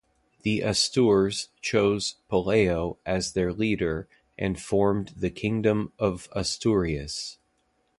The Astures chose Pelayo as their leader and formed the Kingdom of Asturias.